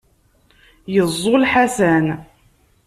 Yeẓẓul Ḥasan.